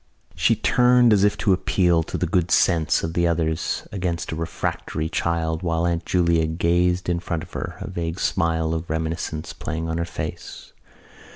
She turned as if to appeal to the good sense of the others against a refractory child while Aunt Julia gazed in front of her, a vague smile of reminiscence playing on her face.